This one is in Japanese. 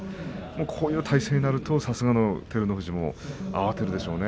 こういう体勢になると、さすがの照ノ富士も慌てるでしょうね。